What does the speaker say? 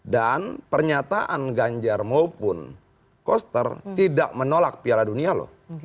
dan pernyataan ganjar maupun koster tidak menolak piala dunia loh